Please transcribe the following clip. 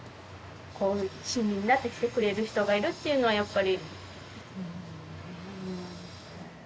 こう親身になって来てくれる人がいるっていうのはやっぱり。